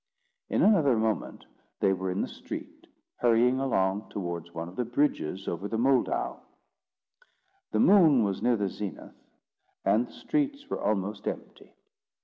In another moment they were in the street, hurrying along towards one of the bridges over the Moldau. The moon was near the zenith, and the streets were almost empty.